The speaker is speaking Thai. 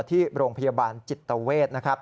ที่โรงพยาบาลจิตเตอร์เวศนะครับ